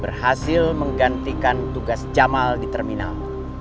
berhasil menggantikan tugas jamal di terminal